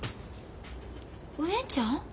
お姉ちゃん？